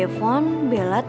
oke gue bagiin kelompoknya ya